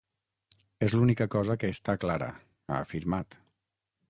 És l’única cosa que està clara, ha afirmat.